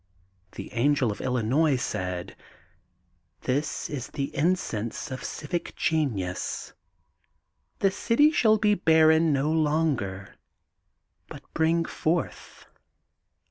The Angel of Illinois said: — *This is the Incense of Civic Genius. The city shall be barren no longer but bring forth.